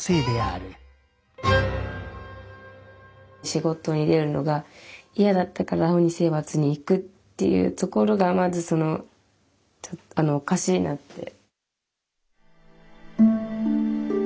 「仕事に出るのがいやだったから鬼征伐に行く」っていうところがまずそのおかしいなって。